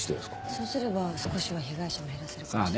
そうすれば少しは被害者を減らせるかもしれない。